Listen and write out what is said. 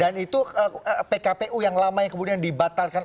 dan itu pkpu yang lama yang kemudian dibatalkan